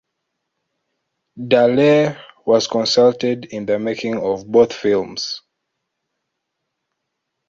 Dallaire was consulted in the making of both films.